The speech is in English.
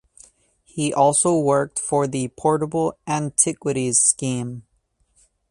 He also worked for the Portable Antiquities Scheme.